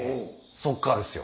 そっからですよ